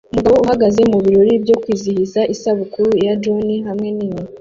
Umugabo ahagaze mubirori byo kwizihiza isabukuru ya john hamwe nini